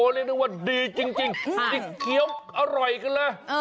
เรียกได้ว่าดีจริงอร่อยกันแหละ